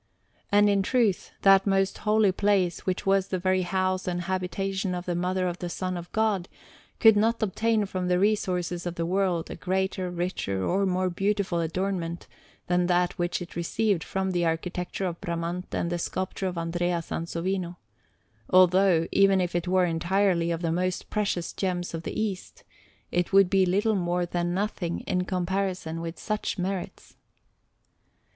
And, in truth, that most holy place, which was the very house and habitation of the Mother of the Son of God, could not obtain from the resources of the world a greater, richer, or more beautiful adornment than that which it received from the architecture of Bramante and the sculpture of Andrea Sansovino; although, even if it were entirely of the most precious gems of the East, it would be little more than nothing in comparison with such merits.